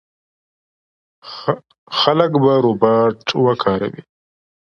خلک به روباټ وکاروي.